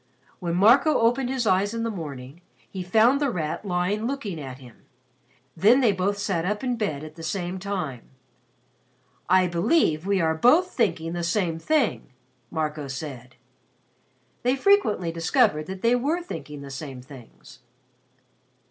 When Marco opened his eyes in the morning, he found The Rat lying looking at him. Then they both sat up in bed at the same time. "I believe we are both thinking the same thing," Marco said. They frequently discovered that they were thinking the same things.